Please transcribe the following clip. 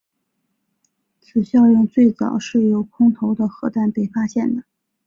此效应最早是由空投的核爆被发现的。